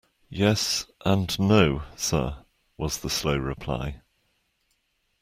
Yes, and no, sir, was the slow reply.